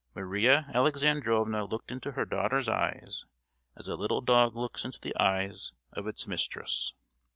Maria Alexandrovna looked into her daughter's eyes as a little dog looks into the eyes of its mistress.